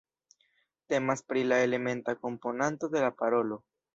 Temas pri la elementa komponanto de la parolo.